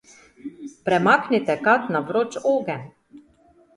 Premaknite kad na vroč ogenj.